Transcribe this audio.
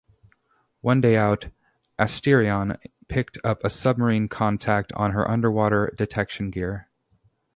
One day out, "Asterion" picked up a submarine contact on her underwater detection gear.